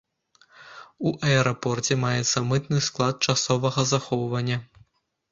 У аэрапорце маецца мытны склад часовага захоўвання.